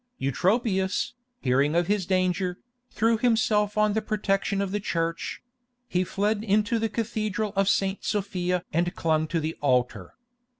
Eutropius, hearing of his danger, threw himself on the protection of the Church: he fled into the Cathedral of St. Sophia and clung to the altar.